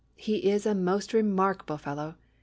He is a most remarkable fellow.